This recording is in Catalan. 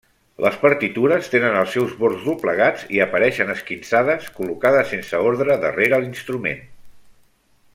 Les partitures tenen els seus bords doblegats i apareixen esquinçades, col·locades sense orde darrere l'instrument.